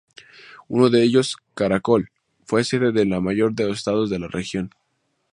Uno de ellos, Caracol, fue sede del mayor de los estados de la región.